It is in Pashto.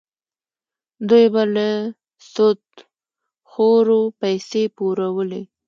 دوی به له سودخورو پیسې پورولې.